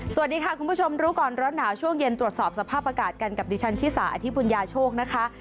สวัสดีค่ะคุณผู้ชมรู้ก่อนร้อนหนาวช่วงเย็นตรวจสอบสภาพอากาศกันกับดิฉันชิสาอธิบุญญาโชคนะคะ